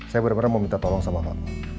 saya benar benar mau minta tolong sama pak